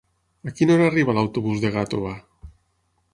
A quina hora arriba l'autobús de Gàtova?